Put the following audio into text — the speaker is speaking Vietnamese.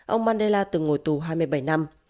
ông mandela từng ngồi tù hai mươi bảy năm